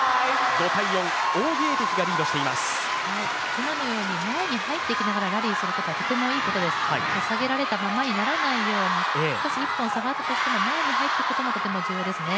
今のように前に入っていきながらラリーすることはとてもいいことです、下げられたままにならないように、下がったとしても、前に入っていくことがとても大事ですね。